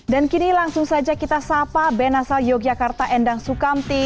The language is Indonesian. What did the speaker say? dan kini langsung saja kita sapa band asal yogyakarta endang sukamti